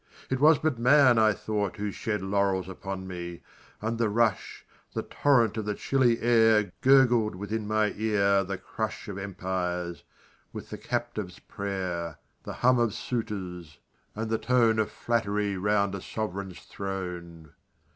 It was but man, I thought, who shed Laurels upon me: and the rush The torrent of the chilly air Gurgled within my ear the crush Of empires with the captive's prayer The hum of suitors and the tone Of flattery 'round a sovereign's throne.